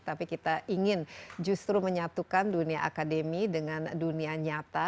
tapi kita ingin justru menyatukan dunia akademi dengan dunia nyata